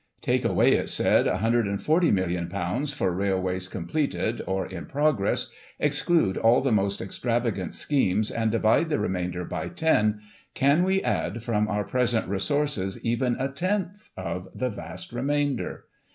"Take away," it said, ";6^ 140,000,000 for railways completed, or in progress, exclude all the most extravagant schemes, and divide the remainder by ten, can we add, from our present resources, even a tenth of the vast remainder